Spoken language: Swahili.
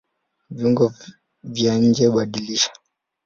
Viungo vya njeBadilisha